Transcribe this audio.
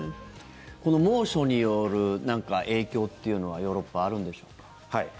猛暑による影響というのはヨーロッパはあるんでしょうか。